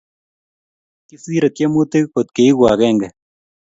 kisire tiemutik kot ke egu akenge